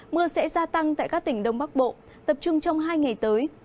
mưa sẽ gia tăng tại các tỉnh đông bắc bộ tập trung trong hai ngày tới